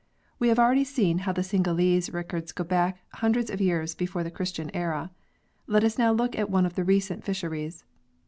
We have already seen how the Singhalese records go back hundreds of years before the Christian era. Let us now look at one of the recent fisheries.